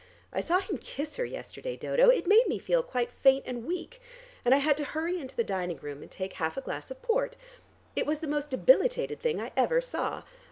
I saw him kiss her yesterday, Dodo. It made me feel quite faint and weak, and I had to hurry into the dining room and take half a glass of port. It was the most debilitated thing I ever saw.